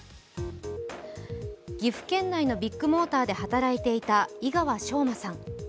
岐阜県内のビッグモーターで働いていた井川翔馬さん。